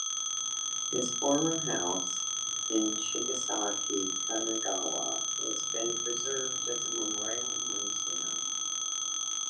His former house in Chigasaki, Kanagawa has been preserved as a memorial museum.